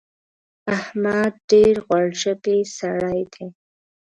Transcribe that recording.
احمد ډېر غوړ ژبی سړی دی.